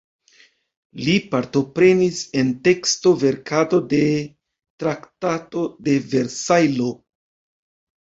Li partoprenis en teksto-verkado de Traktato de Versajlo.